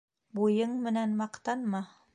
Буйың менән маҡтанма